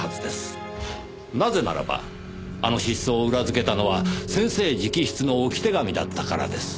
なぜならばあの失踪を裏付けたのは先生直筆の置き手紙だったからです。